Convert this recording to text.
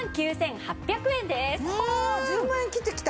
はあ１０万円切ってきた。